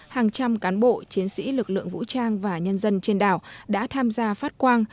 hàng trăm cán bộ chiến sĩ lực lượng vũ trang và nhân dân trên đảo đã tham gia phát quang